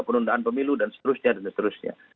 penundaan pemilu dan seterusnya